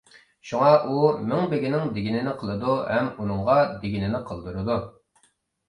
شۇڭا ئۇ مىڭبېگىنىڭ دېگىنىنى قىلىدۇ ھەم ئۇنىڭغا دېگىنىنى قىلدۇرىدۇ.